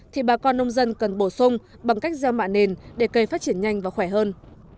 thì bà con nông dân cần bổ sung bằng cách gieo mạ nền để cây phát triển nhanh và khỏe hơn